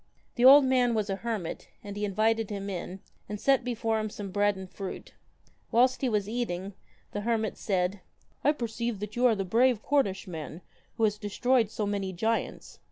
The old man was a hermit, and he invited him in, and set before him some bread and fruit. Whilst he was eating, the hermit said :' I perceive that you are the brave Cornishman who has destroyed so many giants.